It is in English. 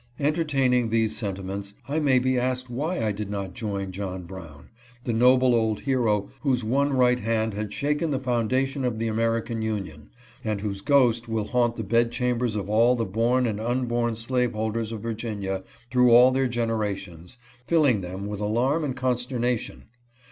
Entertaining these sentiments, I may be asked why I did not join John Brown — the noble old hero whose one right hand had shaken the foundation of the American Union, and whose ghost will haunt the bed chambers of all the born and unborn slaveholders of Virginia through all their generations, filling them with alarm and conster nation.